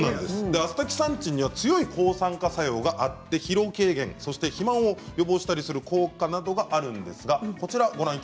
アスタキサンチンには強い抗酸化作用があって疲労軽減肥満を予防したりする効果などがあるんです。